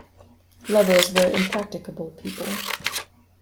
Lovers were impracticable people.